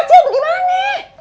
ini urusan acil bagaimana